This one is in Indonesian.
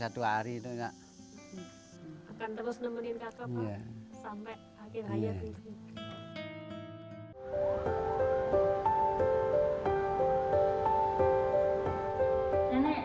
sehari gak mesti makan gitu